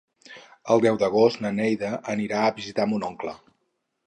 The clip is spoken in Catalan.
El deu d'agost na Neida anirà a visitar mon oncle.